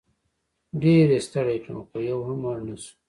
ډېر یې ستړی کړم خو یو هم مړ نه شو.